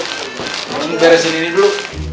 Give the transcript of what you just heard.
tolong biarin sini dulu